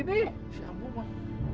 si amu mak